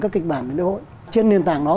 các kịch bản lễ hội trên nền tảng đó